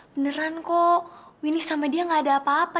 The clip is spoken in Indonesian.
beneran kok winnie sama dia nggak ada apa apa